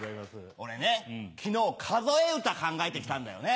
俺ね昨日数え歌考えて来たんだよね。